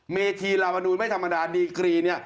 เมธีลามนูลไม่ธรรมดาดีกรีเนี่ย